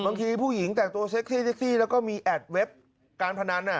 บางทีผู้หญิงแต่งตัวเซ็กซี่เซ็กซี่แล้วก็มีแอดเว็บการพนัน